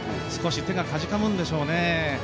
少し手がかじかむんでしょうね。